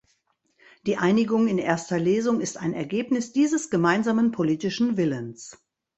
Die Einigung in erster Lesung ist ein Ergebnis dieses gemeinsamen politischen Willens.